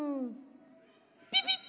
ピピッ！